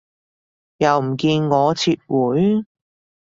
又唔見我撤回